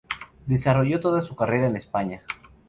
Desarrolló toda su carrera en España.